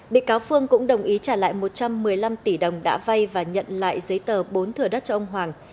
bị cáo phương cũng đồng ý trả lại một trăm một mươi năm tỷ đồng đã vay và nhận lại giấy tờ bốn thừa đất cho ông hoàng